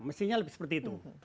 mestinya lebih seperti itu